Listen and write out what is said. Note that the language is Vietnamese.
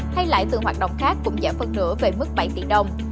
hay lãi từ hoạt động khác cũng giảm phân nửa về mức bảy tỷ đồng